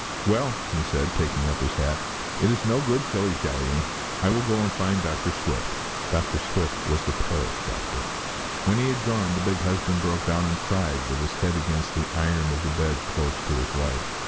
"Well," he said, taking up his hat, "it is no good shilly shallying. I will go and find Dr. Swift." Dr. Swift was the parish doctor. When he had gone, the big husband broke down and cried, with his head against the iron of the bed close to his wife.